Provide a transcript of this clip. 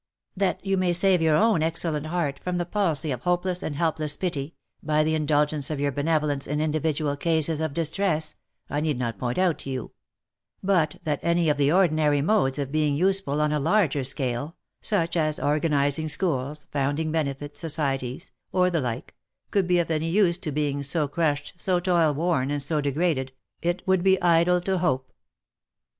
That you may save your own excellent heart from the palsy of hopeless and helpless pity, by the indulgence of your benevolence in individual cases of distress, I need not point out to you ; but that any OF MICHAEL ARMSTRONG. 209 of the ordinary modes of being useful on a larger scale, such as organising schools, founding benefit societies, or the like, could be of any use to beings so crushed, so toil worn, and so degraded, it would be idle to hope."